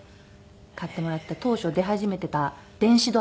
買ってもらった当初出始めてた電子ドラム。